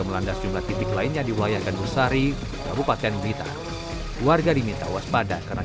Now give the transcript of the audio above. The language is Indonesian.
melanda jumlah titik lainnya diulayakan busari kabupaten berita warga diminta waspada karena